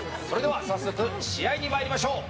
早速、試合に参りましょう。